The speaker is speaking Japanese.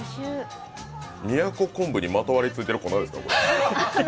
都こんぶにまとわりついてる粉ですか？